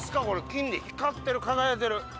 金に光ってる輝いてる。